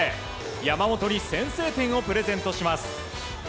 山本に先制点をプレゼントします。